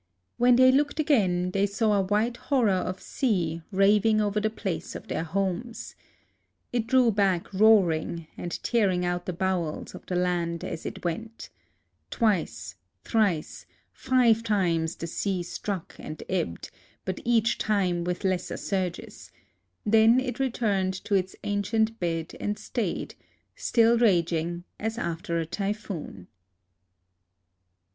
When they looked again, they saw a white horror of sea raving over the place of their homes. It drew back roaring, and tearing out the A LIVING GOD 25 bowels of the land as it went. Twice, tlirice, five times the sea struck and ebbed, but each time with lesser surges : then it returned to its ancient bed and stayed, — still raging, as after a typhoon.